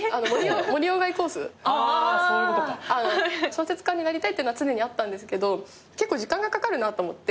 小説家になりたいっていうのは常にあったんですけど結構時間がかかるなと思って。